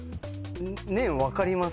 年分かります